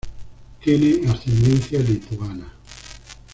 Tiene ascendencia lituana.